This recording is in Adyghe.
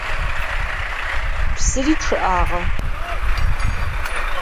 Псыри чъыӏагъэ.